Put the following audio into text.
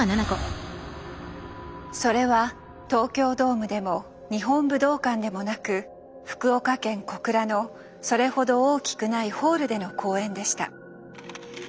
それは東京ドームでも日本武道館でもなく福岡県小倉のそれほど大きくないホールでの公演でした。